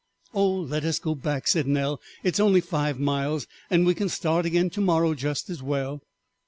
"Oh, let us go back," said Nell, "it is only five miles, and we can start again to morrow just as well."